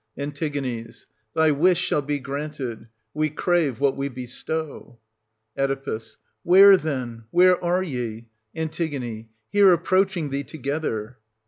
An. Thy wish shall be granted — we crave what we bestow. Oe. Where, then, where are ye? An. Here ap proaching thee together.